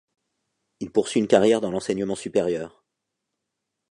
Il poursuit une carrière dans l'enseignement supérieur.